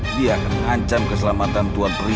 dia akan mengancam keselamatan tuan peri